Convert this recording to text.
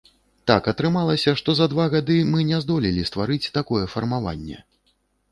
Так атрымалася, што за два гады мы не здолелі стварыць такое фармаванне.